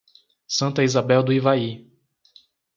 Santa Isabel do Ivaí